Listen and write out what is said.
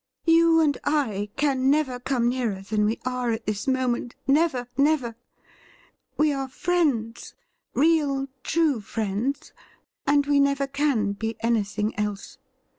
You and I can never come nearer than we are at this moment— never, never! We are friends — ^real, true friends — and we never can be anything else.